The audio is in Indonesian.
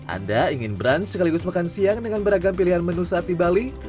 anda ingin brunch sekaligus makan siang dengan beragam pilihan menu saat di bali